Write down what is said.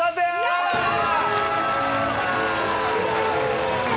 うれしい。